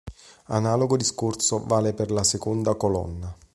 Analogo discorso vale per la seconda colonna.